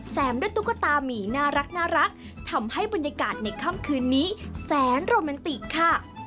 ด้วยตุ๊กตามีน่ารักทำให้บรรยากาศในค่ำคืนนี้แสนโรแมนติกค่ะ